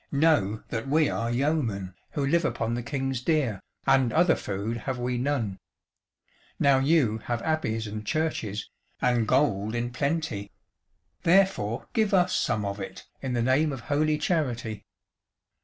Know that we are yeomen, who live upon the King's deer, and other food have we none. Now you have abbeys and churches, and gold in plenty; therefore give us some of it, in the name of holy charity."